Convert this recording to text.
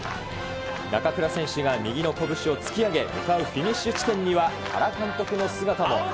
中倉選手が右の拳を突き上げ、向かうフィニッシュ地点には、原監督の姿も。